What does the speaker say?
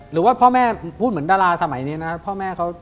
หรือว่าพ่อแม่พูดเหมือนดาราสมัยนี้นะ